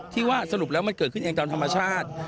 ที่ว่าสรุปแล้วมันเกิดขึ้นเองตามธรรมชาติ